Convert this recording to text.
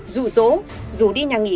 rủ rỗ rủ đi nhà nghỉ